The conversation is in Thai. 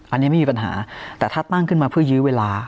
อันนี้ไม่มีปัญหาแต่ถ้าตั้งขึ้นมาเพื่อยื้อเวลา